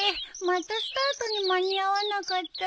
またスタートに間に合わなかったよ。